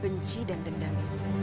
benci dan dendam